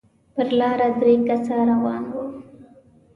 پر لاره درې کسه روان وو.